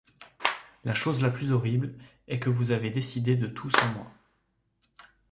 La chose la plus horrible est que vous avez décidé de tout sans moi.